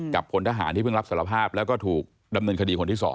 พลทหารที่เพิ่งรับสารภาพแล้วก็ถูกดำเนินคดีคนที่๒